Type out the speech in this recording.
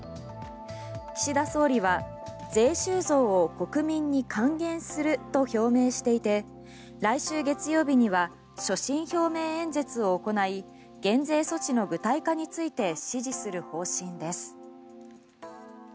岸田総理は税収増を国民に還元すると表明していて来週月曜日には所信表明演説を行い減税措置の具体化について指示する方針です。